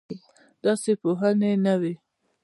داسې پوهنې نه وې.